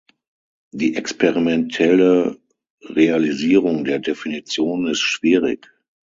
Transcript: Die experimentelle Realisierung der Definition ist schwierig.